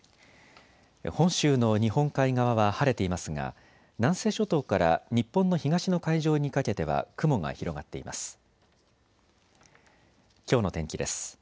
本州の日本海側は晴れていますが南西諸島から日本の東の海上にかけては雲が広がっています。